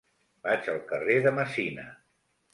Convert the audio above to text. Vaig al carrer de Messina.